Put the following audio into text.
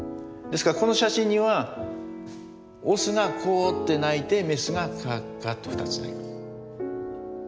ですからこの写真にはオスが「コウ」って鳴いてメスが「カッカッ」と２つ鳴いてる。